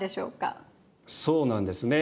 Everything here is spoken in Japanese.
そうなんですね。